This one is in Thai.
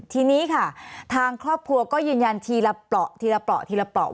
ทีนี้ค่ะทางครอบครัวก็ยืนยันทีละเปราะทีละเปราะทีละเปราะ